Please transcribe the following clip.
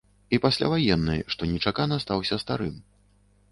І пасляваенны, што нечакана стаўся старым.